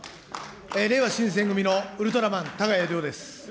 れいわ新選組のウルトラマン、たがや亮です。